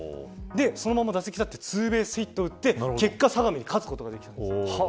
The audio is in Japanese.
そのまま打席に立ってツーベースヒットを打って結果、相模に勝つことができたんです。